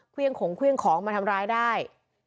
เครื่องของเครื่องของมาทำร้ายได้